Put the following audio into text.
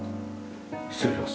失礼します。